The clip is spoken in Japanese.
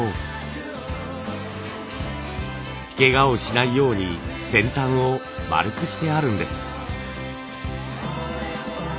けがをしないように先端を丸くしてあるんです。